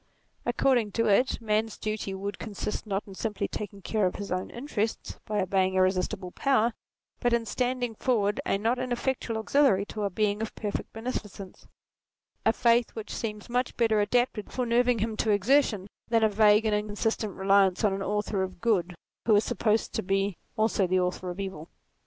According to it, man's duty would consist, not in simply taking care of his own interests by obeying irresistible power, but in standing forward a not ineffectual auxiliary to a Being of per fect beneficence ; a faith which seems much better adapted for nerving him to exertion than a vague and inconsistent reliance on an Author of Good who is supposed to be also the author of evil.